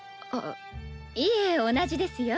いえ同じですよ。